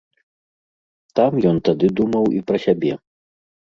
Там ён тады думаў і пра сябе.